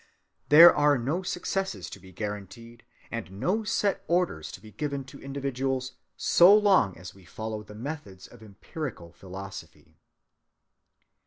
There are no successes to be guaranteed and no set orders to be given to individuals, so long as we follow the methods of empirical philosophy.